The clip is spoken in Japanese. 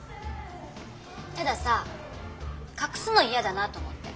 たださ「隠すの嫌だな」と思って。